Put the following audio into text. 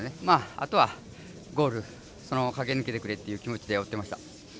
あとは、ゴール、そのまま駆け抜けてくれっていう気持ちでした。